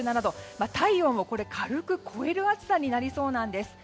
体温を軽く超える暑さになりそうなんです。